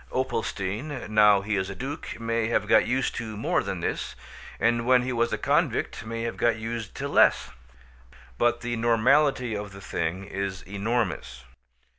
Opalstein, now he is a duke, may have got used to more than this; and when he was a convict may have got used to less. But the normality of the thing is enormous.